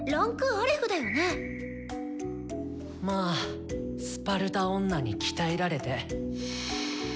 まあスパルタ女に鍛えられて。